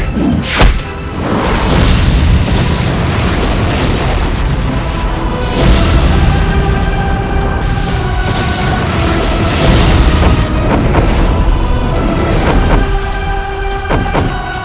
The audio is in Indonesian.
tentang bang sianya